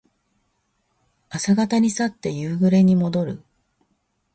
朝方に去って夕暮れにもどる。